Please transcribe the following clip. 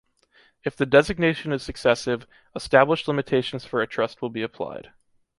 If the designation is successive, established limitations for a trust will be applied.